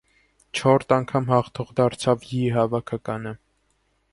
Չորրորդ անգամ հաղթող դարձավ յի հավաքականը։